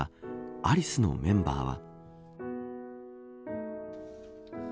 アリスのメンバーは。